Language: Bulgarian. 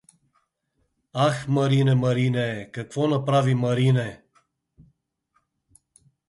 — Ах, Марине, Марине, какво направи, Марине!